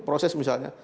itu proses misalnya